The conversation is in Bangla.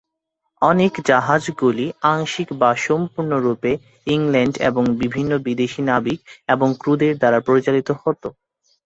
অনেক জাহাজগুলি আংশিক বা সম্পূর্ণ রুপে ইংল্যান্ড এবং বিভিন্ন বিদেশী নাবিক এবং ক্রুদের দ্বারা পরিচালিত হত।